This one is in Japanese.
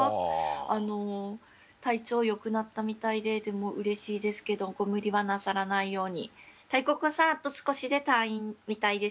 あの、体調良くなったみたいででも、うれしいですけどご無理はなさらないように。